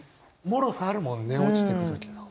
もろさあるもん寝落ちてく時の。